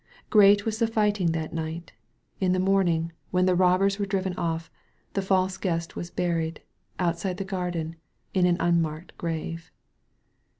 Great was the fighting that night. In the morn ing, whea the robbers were driven off, the false Guest was buried, outside the garden, in an un marked grave.